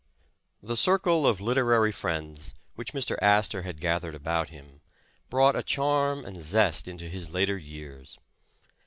THE circle of literary friends which Mr. Astor had gathered about him, brought a charm and zest into his later years.